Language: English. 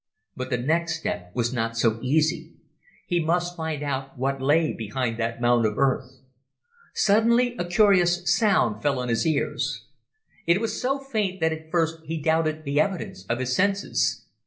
But the next step was not so easy. He must find out what lay behind that mound of earth. Suddenly a curious sound fell on his ears. It was so faint that at first he doubted the evidence of his senses.